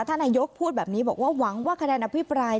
ท่านนายกพูดแบบนี้บอกว่าหวังว่าคะแนนอภิปราย